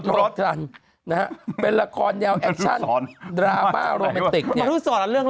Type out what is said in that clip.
ฯน้าฮะเป็นละครยาวแอคชันซอนราม่าโรมัติคเนี่ยเรื่อง